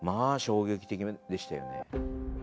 あ衝撃的でしたよね。